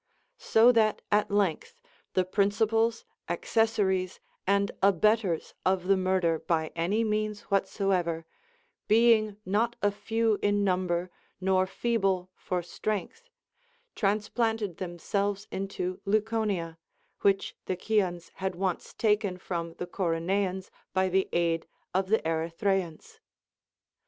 So that at length the principals, accessories, and abettors of the mur der by any means whatsoever, being not a few in number nor feeble for strength, transplanted themselves into Leu conia, which the Chians had once taken from the Corone ans by the aid of the Erythraeans.